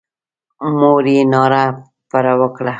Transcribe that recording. مور یې ناره پر وکړه.